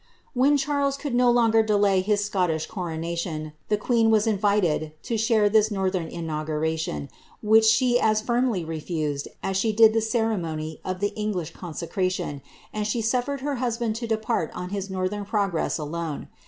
When Charles could no longer delay his Scottish coronation, the queen wu invited to share this northern inauguration, which she as firmly re fused as she did the ceremony of the £nglish consecration ; and she suf ftTpd her husband to depart on his northern progress alone.